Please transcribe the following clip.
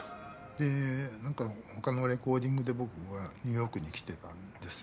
で何かほかのレコーディングで僕はニューヨークに来てたんです。